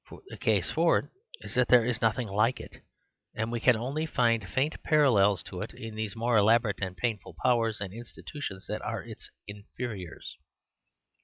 For the case for it is that there is nothing like it; and we can only find faint parallels to it in those more elaborate and painful powers and institutions that are its inferiors.